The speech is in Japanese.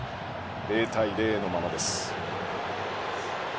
０対０のままです。